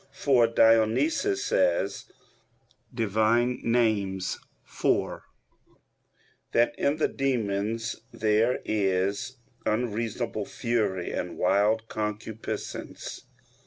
For Dionysius says (Div. Nom. iv) that in the demons there is "unreasonable fury and wild concupiscence."